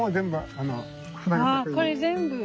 あこれ全部？